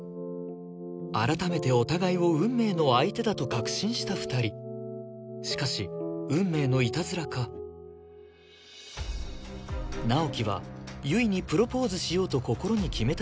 改めてお互いを運命の相手だと確信した２人しかし運命のいたずらか直木は悠依にプロポーズしようと心に決めた